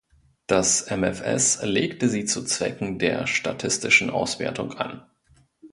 Das MfS legte sie zu Zwecken der statistischen Auswertung an.